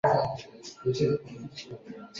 台北市北半部由台北北警察署管辖。